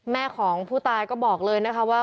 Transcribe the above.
แม่ของผู้ตายก็บอกเลยนะคะว่า